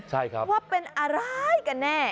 ว่าเป็นอะไรกันแน่